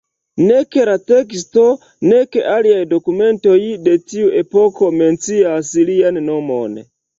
Nek la teksto, nek aliaj dokumentoj de tiu epoko mencias lian nomon.